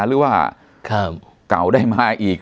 หรือว่าเก่าได้มาอีก